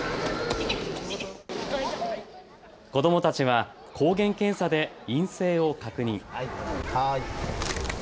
子どもたちは抗原検査で陰性を確認。